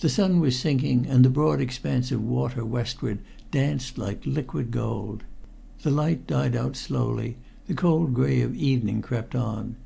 The sun was sinking, and the broad expanse of water westward danced like liquid gold. The light died out slowly, the cold gray of evening crept on.